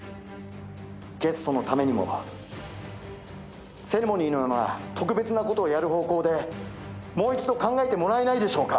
ゲストのためにもセレモニーのような特別なことをやる方向でもう一度考えてもらえないでしょうか。